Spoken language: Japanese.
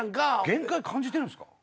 限界感じてるんすか？